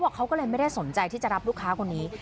เขาก็เลยไม่ได้สนใจที่จะรับลูกค้าคนนี้